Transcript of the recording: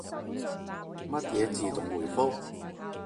乜嘢自動回覆？